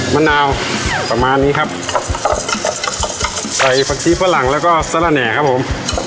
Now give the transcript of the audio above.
มะนาวประมาณนี้ครับใส่ผักชีฝรั่งแล้วก็สละแหน่ครับผม